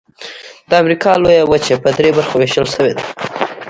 د امریکا لویه وچه په درې برخو ویشل شوې ده.